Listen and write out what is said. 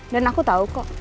dan aku tau kok